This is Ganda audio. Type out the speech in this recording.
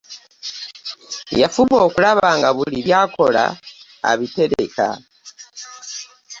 Yafuba okulaba nga buli byakola abitereka .